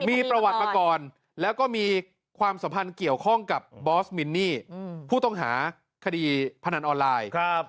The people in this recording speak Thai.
มีประวัติมาก่อนแล้วก็มีความสัมพันธ์เกี่ยวข้องกับบอสมินนี่ผู้ต้องหาคดีพนันออนไลน์